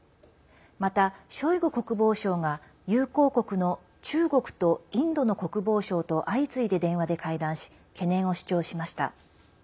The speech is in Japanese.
また、ショイグ国防相が友好国の中国とインドの国防相と相次いで電話で会談し懸念を主張しました。